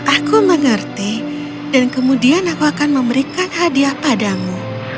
aku mengerti dan kemudian aku akan memberikan hadiah padamu